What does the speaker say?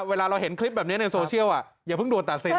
เวลาเราเห็นคลิปแบบนี้ในโซเชียลอย่าเพิ่งโดนตัดสิน